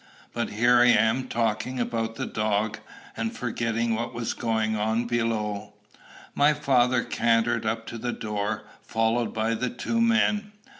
But here I am talking about the dog, and forgetting what was going on below. My father cantered up to the door, followed by the two men.